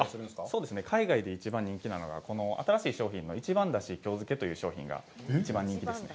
そうですね、海外で一番人気なのが、この新しい商品の一番だし京漬という商品が一番人気ですね。